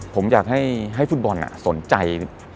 ผมอยากให้ฟุตบอลสนใจ